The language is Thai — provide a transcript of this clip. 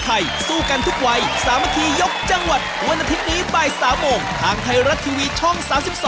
อ้าวแล้วรีบตอบเลยดึง